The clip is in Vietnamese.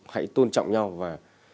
hãy tôn trọng nhau và